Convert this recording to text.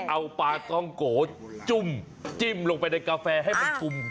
เอาปลาท้องโกจุ้มจิ้มลงไปในกาแฟให้มันชุ่ม